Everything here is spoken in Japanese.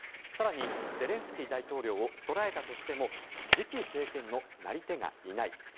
更に、ゼレンスキー大統領を捕らえたとしても次期政権のなり手がいない。